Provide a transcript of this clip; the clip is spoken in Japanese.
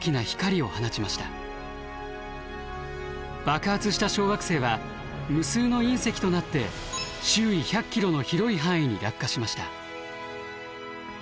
爆発した小惑星は無数の隕石となって周囲１００キロの広い範囲に落下しました。